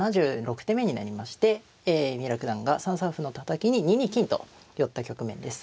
７６手目になりまして三浦九段が３三歩のたたきに２二金と寄った局面です。